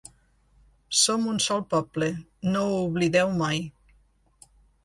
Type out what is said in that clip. Som un sol poble, no ho oblideu mai.